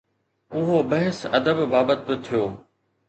اهو بحث ادب بابت به ٿيو.